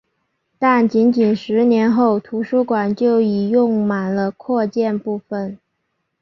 但仅仅十年后图书馆就已用满了扩建部分。